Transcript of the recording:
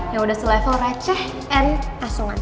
yang udah selevel receh and asungan